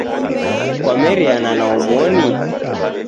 Kwameriana na omoni?.